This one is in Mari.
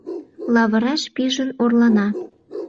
Лавыраш пижын орлана